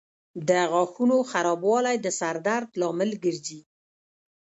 د غاښونو خرابوالی د سر درد لامل ګرځي.